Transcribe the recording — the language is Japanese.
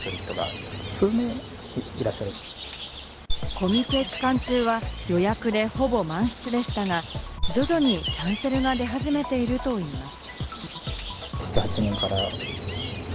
コミケ期間中は予約でほぼ満室でしたが、徐々にキャンセルが出始めているといいます。